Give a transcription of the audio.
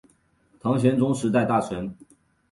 唐玄宗时代大臣。